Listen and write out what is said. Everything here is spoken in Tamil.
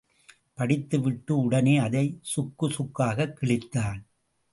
படித்துவிட்டு உடனே அதைச் சுக்கு சுக்காகக் கிழித்தான்.